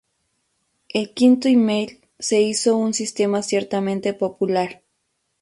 El "V-mail" se hizo un sistema ciertamente popular.